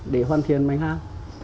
để hoàn thiện mảnh hao